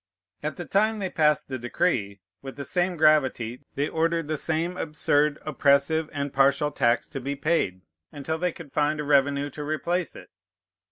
At the time they passed the decree, with the same gravity they ordered the same absurd, oppressive, and partial tax to be paid, until they could find a revenue to replace it.